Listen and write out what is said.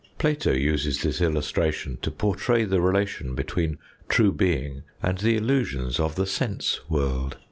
Plato uses this illustration to portray the relation between true being and the illusions .of the sense world.